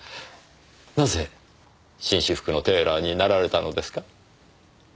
なぜ紳士服のテーラーになられたのですか？